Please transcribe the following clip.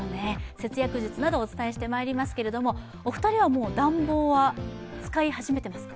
節約術などをお伝えしてまいりますけれどもお二人はもう、暖房は使い始めてますか？